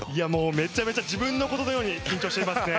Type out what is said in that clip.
めちゃめちゃ自分のことのように緊張していますね。